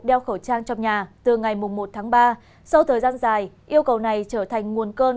đeo khẩu trang trong nhà từ ngày một tháng ba sau thời gian dài yêu cầu này trở thành nguồn cơn